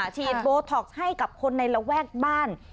ฉีดโบท็อกซ์ให้กับคนในระแวกบ้าน